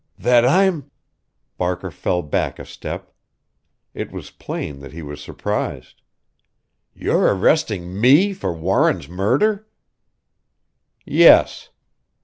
"That I'm " Barker fell back a step. It was plain that he was surprised. "You're arresting me for Warren's murder?" "Yes."